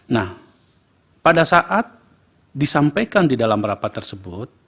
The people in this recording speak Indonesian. nah pada saat disampaikan di dalam rapat tersebut